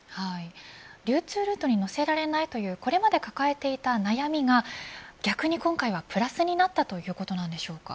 流通ルートに乗せられないというこれまで抱えていた悩みが逆に今回はプラスになったということなんでしょうか。